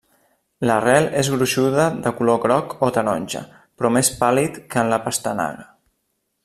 L'arrel és gruixuda de color groc o taronja però més pàl·lid que en la pastanaga.